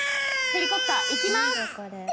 ヘリコプターいきます。